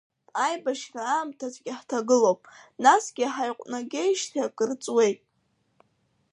Аибашьра аамҭацәгьа ҳҭагылоуп, насгьы ҳаиҟәнагеижьҭеи акыр ҵуеит…